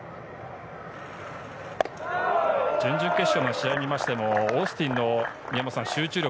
準々決勝の試合を見てもオースティンの集中力。